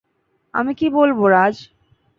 আমি কি বলবো রাজ?